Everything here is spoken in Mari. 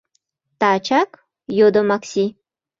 — Тачак? — йодо Макси.